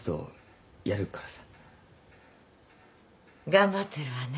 頑張ってるわね